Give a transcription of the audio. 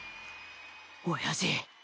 親父